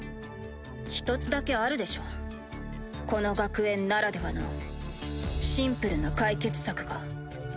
一つだけあるでしょこの学園ならではのシンプルな解決策が。